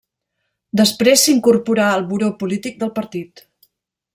Després s'incorporà al buró polític del partit.